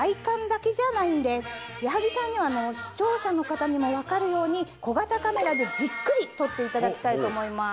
矢作さんには視聴者の方にも分かるように小型カメラでじっくり撮っていただきたいと思います。